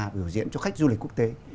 biểu diễn cho khách du lịch quốc tế